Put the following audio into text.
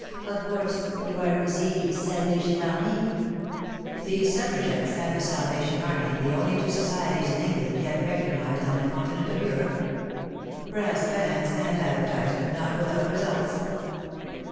Of course — you are ze Salvation Army \" The Suffragettes and the Salvation Army, the only WAR AND WOMEN 143 two societies in England yet recognized on the Continent of Europe ? Brass bands and advertisement not without results